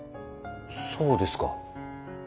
そうですか。